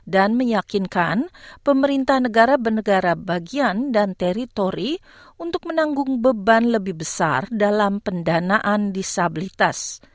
dan meyakinkan pemerintah negara negara bagian dan teritori untuk menanggung beban lebih besar dalam pendanaan disabilitas